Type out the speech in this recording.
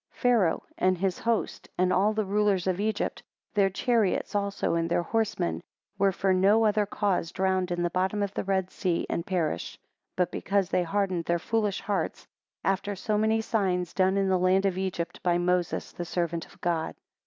6 Pharaoh and his host, and all the rulers of Egypt, their chariots also and their horsemen, were for no other cause drowned in the bottom of the Red Sea, and perished; but because they hardened their foolish hearts, after so many signs done in the land of Egypt, by Moses the servant of God.